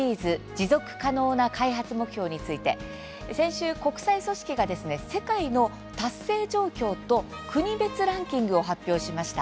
「持続可能な開発目標」について先週、国際組織が世界の達成状況と国別ランキングを発表しました。